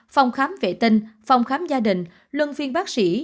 phòng khám vệ tinh phòng khám gia đình luân phiên bác sĩ